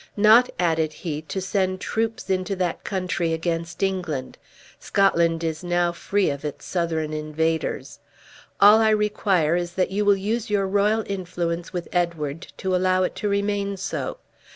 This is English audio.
"Not," added he, "to send troops into that country against England. Scotland is now free of its Southron invaders; all I require is that you will use your royal influence with Edward to allow it to remain so.